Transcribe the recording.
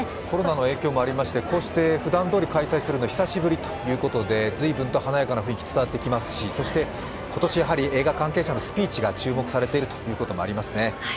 コロナの影響もありまして、こうしてふだんどおり開催するのは久しぶりということで随分と華やかな雰囲気伝わってきますし、そして、今年映画関係者のスピーチが注目されているというのもありますね。